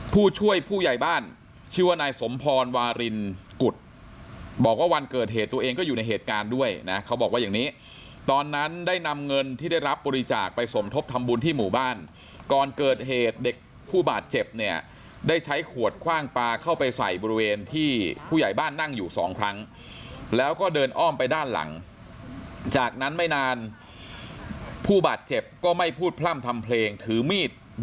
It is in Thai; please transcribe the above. ผู้ช่วยผู้ใหญ่บ้านชื่อว่านายสมพรวารินกุฎบอกว่าวันเกิดเหตุตัวเองก็อยู่ในเหตุการณ์ด้วยนะเขาบอกว่าอย่างนี้ตอนนั้นได้นำเงินที่ได้รับบริจาคไปสมทบทำบุญที่หมู่บ้านก่อนเกิดเหตุเด็กผู้บาดเจ็บเนี่ยได้ใช้ขวดคว่างปลาเข้าไปใส่บริเวณที่ผู้ใหญ่บ้านนั่งอยู่สองครั้งแล้วก็เดินอ้อมไปด้านหลังจากนั้นไม่นานผู้บาดเจ็บก็ไม่พูดพร่ำทำเพลงถือมีด